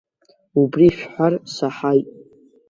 Убри шәҳәар саҳаит.